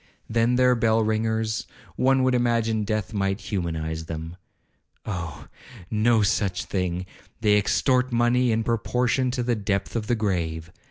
Then their bell ringers—one would imagine death might humanize them. Oh! no such thing—they extort money in proportion to the depth of the grave.